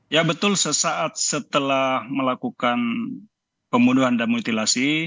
ya betul sesaat setelah melakukan pembunuhan dan mutilasi